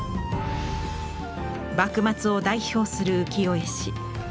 幕末を代表する浮世絵師歌川国芳。